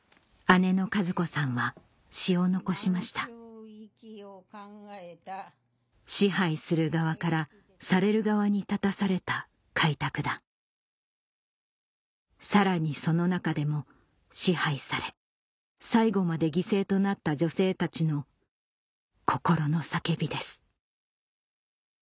姉の和子さんは詩を残しました支配する側からされる側に立たされた開拓団さらにその中でも支配され最後まで犠牲となった女性たちの心の叫びです